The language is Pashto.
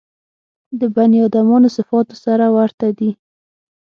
د بني ادمانو صفاتو سره ورته دي.